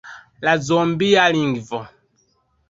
La zombia lingvo.